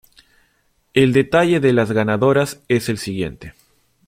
El detalle de las ganadoras es el siguiente.